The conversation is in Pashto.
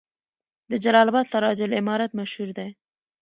د جلال اباد سراج العمارت مشهور دی